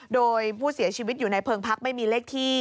โดยผู้เสียชีวิตอยู่ในเพิงพักไม่มีเลขที่